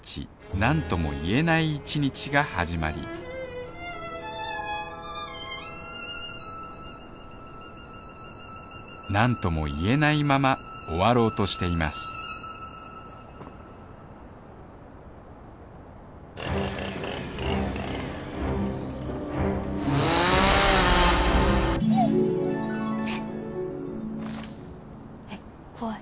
なんとも言えない１日が始まりなんとも言えないまま終わろうとしていますえ怖い。